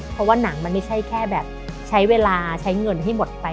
เพราะว่าหนังมันไม่ใช่แค่แบบใช้เวลาใช้เงินให้หมดไป